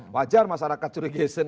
wajar masyarakat curi gesek